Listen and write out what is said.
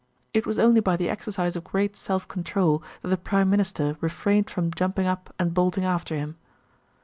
It was only by the exercise of great self control that the Prime Minister refrained from jumping up and bolting after him.